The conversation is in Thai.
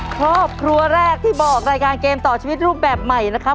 ครอบครัวแรกที่บอกรายการเกมต่อชีวิตรูปแบบใหม่นะครับ